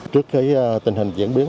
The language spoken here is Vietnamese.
trước cái tình hình diễn biến